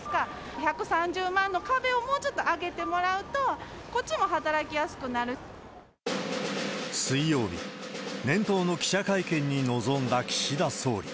１３０万の壁をもうちょっと上げてもらうと、こっちも働きやすく水曜日、年頭の記者会見に臨んだ岸田総理。